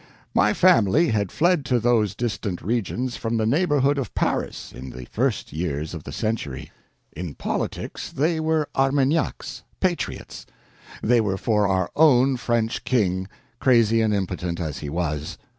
My family had fled to those distant regions from the neighborhood of Paris in the first years of the century. In politics they were Armagnacs—patriots; they were for our own French King, crazy and impotent as he was.